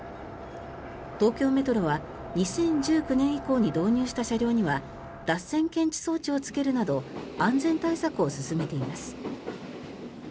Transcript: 東京メトロは２０１９年以降に導入した車両には脱線検知装置をつけるなど安全対策を進めています。